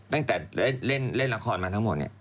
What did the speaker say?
ตั้งแต่เล่นละครมาทั้งหมด